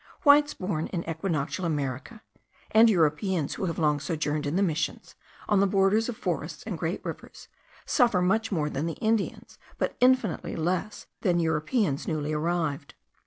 Whites born in equinoctial America, and Europeans who have long sojourned in the Missions, on the borders of forests and great rivers, suffer much more than the Indians, but infinitely less than Europeans newly arrived.